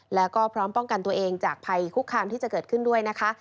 แล้วก็พร้อมป้องกันตัวเองจากภัยคุกคามที่จะเกิดขึ้นด้วยนะคะ